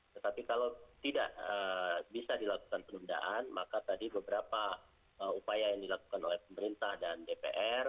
tetapi kalau tidak bisa dilakukan penundaan maka tadi beberapa upaya yang dilakukan oleh pemerintah dan dpr